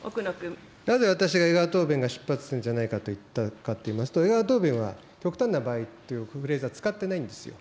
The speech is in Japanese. なぜ私が江川答弁が出発点じゃないかといったかといいますと、江川答弁は、極端な場合というフレーズは使ってないんですよ。